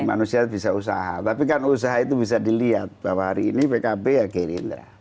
manusia bisa usaha tapi kan usaha itu bisa dilihat bahwa hari ini pkb ya gerindra